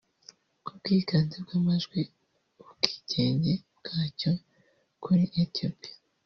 ku bwiganze bw’amajwi ubwigenge bwacyo kuri Ethiopia